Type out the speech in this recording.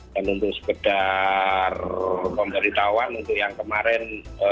dan untuk sekedar pemberitahuan untuk yang kemarin